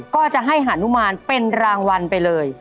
ก็จะให้หานุมานเป็นรางวัลไปเลย